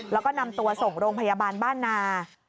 แล้วก็นำตัวส่งโรงพยาบาลบ้านนา